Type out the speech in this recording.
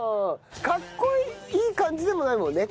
かっこいい感じでもないもんね。